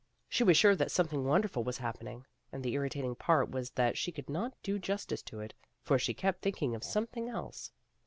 She was sure that something wonderful was happening. And the irritating part was that she could not do justice to it, for she kept thinking of something else.